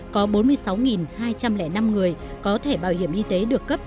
có bốn mươi sáu hai trăm linh năm người có thẻ bảo hiểm y tế được cấp